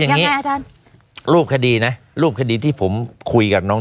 แต่มันมีข่าวออกมาบอกว่าอีกตอนเจ้าที่ยินเสียง